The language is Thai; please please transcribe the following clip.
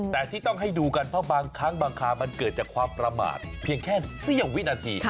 แต่ที่ต้องให้ดูกันเพราะบางครั้งบางคราวมันเกิดจากความประมาทเพียงแค่เสี้ยววินาที